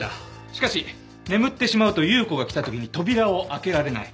しかし眠ってしまうと優子が来た時に扉を開けられない。